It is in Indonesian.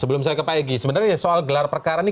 sebelum saya ke pak egy sebenarnya soal gelar perkara ini